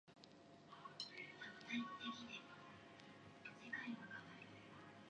A large gathering is not necessary in order to pray to the gods.